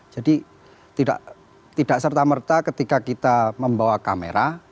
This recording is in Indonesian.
jadi tidak serta merta ketika kita membawa kamera